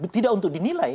tidak untuk dinilai